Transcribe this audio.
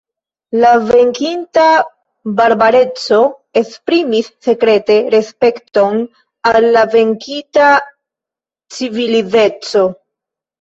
La venkinta barbareco esprimis sekrete respekton al la venkita civilizeco.